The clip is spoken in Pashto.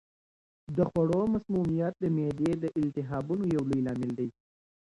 د خوړو مسمومیت د معدې د التهابونو یو لوی لامل دی.